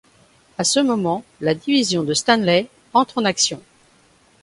À ce moment, la division de Stanley entre en action.